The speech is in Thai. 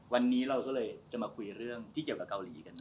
วันนี้เราก็เลยจะมาคุยเรื่องที่เกี่ยวกับเกาหลีกัน